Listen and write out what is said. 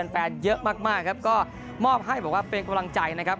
แฟนเยอะมากครับก็มอบให้บอกว่าเป็นกำลังใจนะครับ